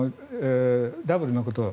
ダブルのことを。